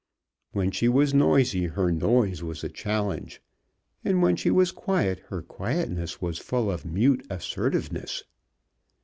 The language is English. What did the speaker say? When she was noisy her noise was a challenge, and when she was quiet her quietness was full of mute assertiveness.